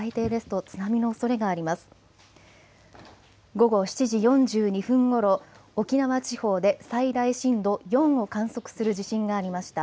午後７時４２分ごろ、沖縄地方で最大震度４を観測する地震がありました。